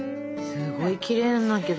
すごいきれいなんだけど。